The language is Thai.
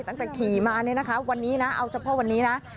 ตั้งแต่ขี่มาเนี่ยนะคะวันนี้นะเอาเฉพาะวันนี้นะ